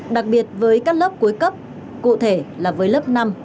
đặc biệt với các lớp cuối cấp cụ thể là với lớp năm